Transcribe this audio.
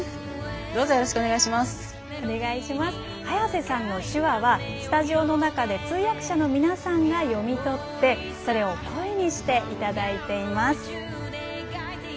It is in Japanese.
早瀬さんの手話はスタジオの中で通訳者の皆さんが読み取ってそれを声にしていただいています。